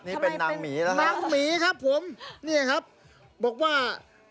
นี่เป็นนางหมีหรือครับนี่ครับบอกว่า